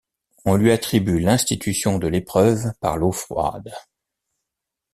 On lui attribue l'institution de l'épreuve par l'eau froide.